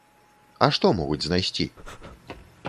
А што могуць знайсці?!.